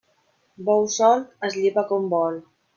Bou solt es llepa com vol.